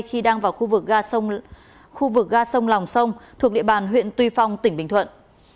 khi đang vào khu vực ga sông lòng sông thuộc địa bàn huyện tuy phong tỉnh bình thuận